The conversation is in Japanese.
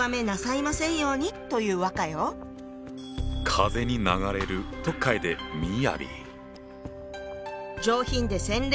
風に流れると書いて「みやび」。